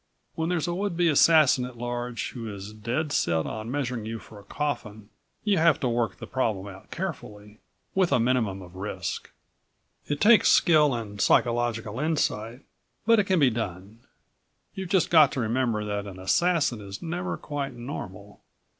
When there's a would be assassin at large who is dead set on measuring you for a coffin you have to work the problem out carefully, with a minimum of risk. It takes skill and psychological insight, but it can be done. You've just got to remember that an assassin is never quite normal.